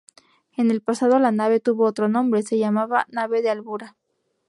En el pasado La Nave tuvo otro nombre, se llamaba Nave de Albura.